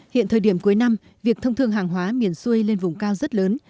hiện thời điểm cuối năm việc thông thường hàng hóa miền xuây lên vùng cao rất lớn